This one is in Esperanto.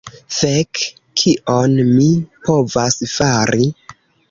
Fek! Kion mi povas fari?